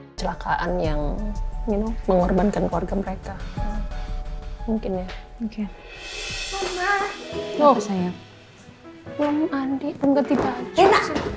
hai celakaan yang mengorbankan keluarga mereka mungkin ya mungkin